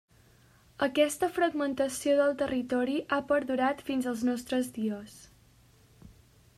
Aquesta fragmentació del territori ha perdurat fins als nostres dies.